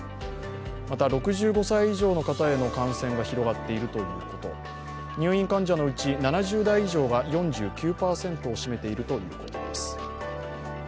また、６５歳以上の方への感染が広がっているということ入院患者のうち７０代以上が４９％を占めているということです。